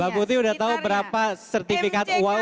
mbak putri sudah tahu berapa sertifikat uau